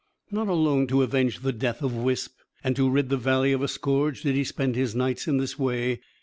Not alone to avenge the death of Wisp and to rid the Valley of a scourge did he spend his nights in this way.